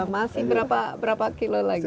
masih berapa kilo lagi